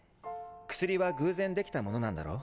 薬は偶然できたモノなんだろ？